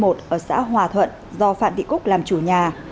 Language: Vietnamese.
ở xã hòa thuận do phạm thị cúc làm chủ nhà